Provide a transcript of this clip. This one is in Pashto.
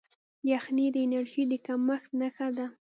یخني د انرژۍ د کمښت نښه ده.